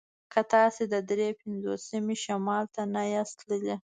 که تاسې د دري پنځوسمې شمال ته نه یاست تللي